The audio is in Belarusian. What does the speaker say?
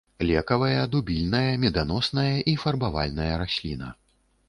Лекавая, дубільная, меданосная і фарбавальная расліна.